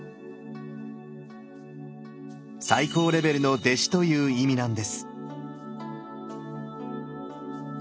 「最高レベルの弟子」という意味なんです。